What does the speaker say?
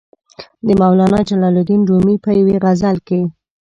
د مولانا جلال الدین رومي په یوې غزل کې.